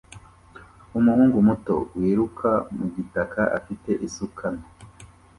Umuhungu muto wiruka mu gitaka afite isuka nto